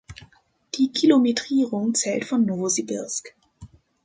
Die Kilometrierung zählt von Nowosibirsk.